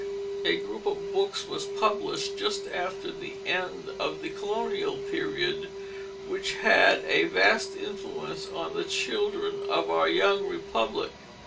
A group of books was published just after the end of the colonial period, which had a vast influence on the children of our young Republic.